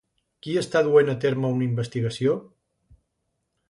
Qui està duent a terme una investigació?